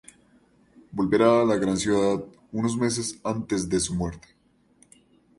Volverá a la gran ciudad unos meses antes de su muerte.